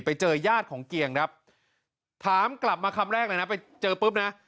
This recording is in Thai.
ญาติของเกียงครับถามกลับมาคำแรกเลยนะไปเจอปุ๊บนะ